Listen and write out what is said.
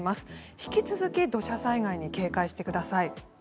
引き続き土砂災害に警戒してください。